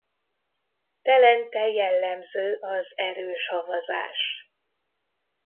Telente jellemző az erős havazás.